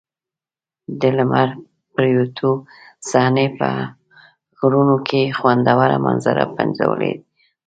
د لمر پرېوتو صحنې په غرونو کې خوندوره منظره پنځولې وه.